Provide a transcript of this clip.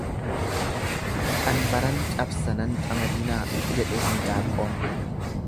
Qanbaran cabsa nan camadinaa jedhe hindaanqoon.